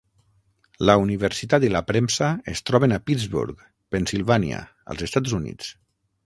La universitat i la premsa es troben a Pittsburgh, Pennsilvània, als Estats Units.